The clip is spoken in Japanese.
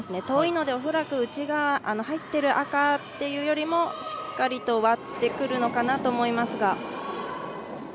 遠いので、おそらく入っている赤というよりもしっかりと割ってくるのかなと思いますが。